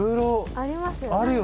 ありますよ。